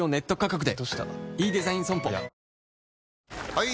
・はい！